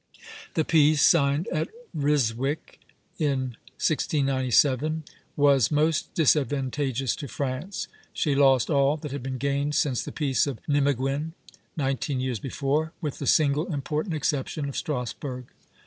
The peace signed at Ryswick in 1697 was most disadvantageous to France; she lost all that had been gained since the Peace of Nimeguen, nineteen years before, with the single important exception of Strasburg.